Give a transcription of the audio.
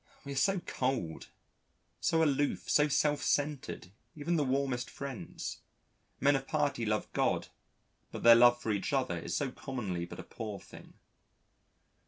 We are so cold, so aloof, so self centred even the warmest friends. Men of piety love God, but their love for each other is so commonly but a poor thing.